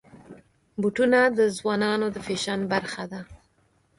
بوټونه د ځوانانو د فیشن برخه ده.